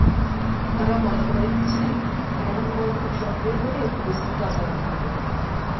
তাঁরা মনে করছেন, ঢাকা মহানগর সক্রিয় হলে পরিস্থিতি অন্যরকম হতে পারত।